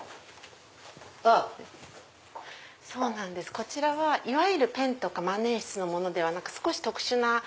こちらはいわゆるペンとか万年筆のものではなく少し特殊な。